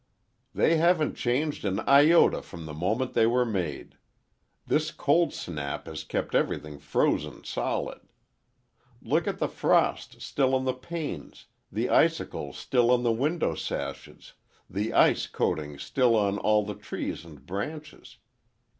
"They haven't changed an iota from the moment they were made. This cold snap has kept everything frozen solid. Look at the frost still on the panes, the icicles still on the window sashes, the ice coating still on all the trees and branches.